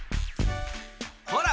ほら！